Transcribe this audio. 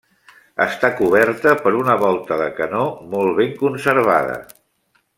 Està coberta per una volta de canó molt ben conservada.